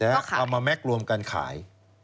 เอามาแม็กซ์รวมกันขาย